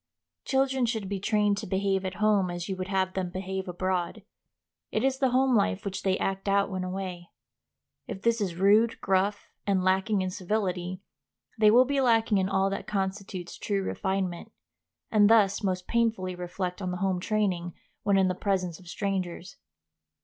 Children should be trained to behave at home as you would have them behave abroad. It is the home life which they act out when away. If this is rude, gruff, and lacking in civility, they will be lacking in all that constitutes true refinement, and thus most painfully reflect on the home training when in the presence of strangers.